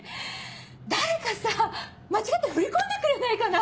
誰かさ間違って振り込んでくれないかな。